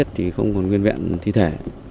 sát chết không còn nguyên vẹn thi thể